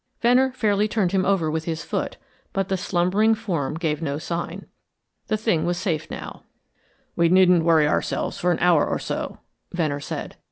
Venner fairly turned him over with his foot, but the slumbering form gave no sign. The thing was safe now. "We needn't worry ourselves for an hour or so," Venner said.